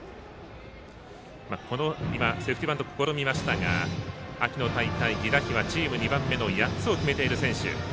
セーフティーバント試みましたが秋の大会、犠打飛はチーム２番目の８つを決めている選手。